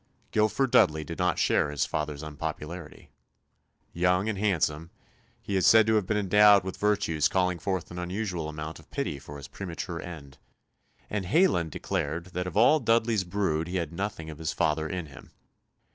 Guilford Dudley did not share his father's unpopularity. Young and handsome, he is said to have been endowed with virtues calling forth an unusual amount of pity for his premature end, and Heylyn declared that of all Dudley's brood he had nothing of his father in him.